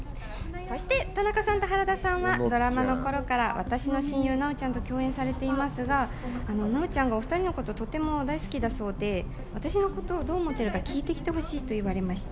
そして田中さんと原田さんはドラマの頃から私の親友の奈緒ちゃんと共演されていますけど、お２人が奈緒ちゃんのことをとても大好きだそうで、私のことをどう思ってるか、聞いてきてほしいと言われてきました。